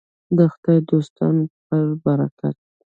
د خدای دوستانو په برکت.